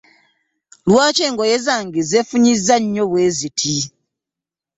Lwaki engoye zange zefunyiza nnyo bweziti?